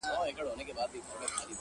د مغل د پښتانه دمه پرې کېږي